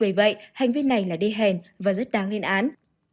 vì vậy hành vi này là đe hèn và rất đáng liên án